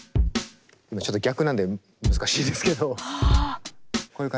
今ちょっと逆なんで難しいですけど。は。